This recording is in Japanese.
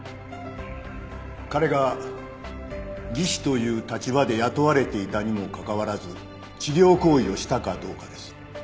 彼が技師という立場で雇われていたにもかかわらず治療行為をしたかどうかです。